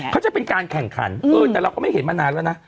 จะเป็นการแข่งขันแต่เราก็ไม่เห็นมานานแล้วนะ